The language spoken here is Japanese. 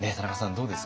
どうですか？